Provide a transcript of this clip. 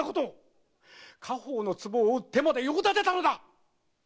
家宝の壷を売ってまで用立てたのだ！